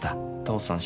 父さん